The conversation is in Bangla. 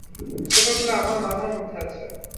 পোকাগুলো আমার মাথার মধ্যে আছে।